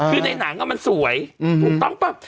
คือในหนังมันสวยถูกต้องป่ะ